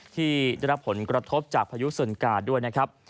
ที่ได้รับผลกระทบจากพายุสนกาด้วยนะครับ